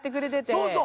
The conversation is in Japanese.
そうそう！